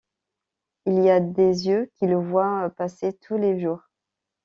Il y a des yeux qui le voient passer tous les jours.